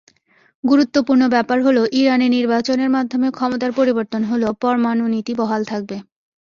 গুরুত্বপূর্ণ ব্যাপার হলো, ইরানে নির্বাচনের মাধ্যমে ক্ষমতার পরিবর্তন হলেও পরমাণুনীতি বহাল থাকবে।